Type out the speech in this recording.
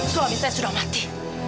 suami saya sudah mati